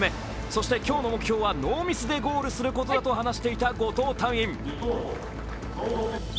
そして今日の目標はノーミスでゴールすることだと話していた後藤隊員。